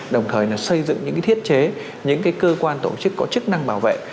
đồng thời là xây dựng những thiết chế những cơ quan tổ chức có chức năng bảo vệ